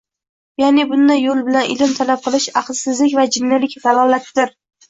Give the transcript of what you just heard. Ya`ni, bunday yo`l bilan ilm talab qilish aqlsizlik va jinnilikdan dalolatdir